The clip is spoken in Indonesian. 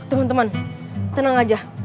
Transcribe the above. teman teman tenang aja